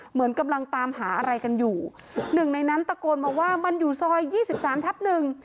เหมือนกำลังตามหาอะไรกันอยู่หนึ่งในนั้นตะโกนมาว่ามันอยู่ซอยยี่สิบสามทับหนึ่ง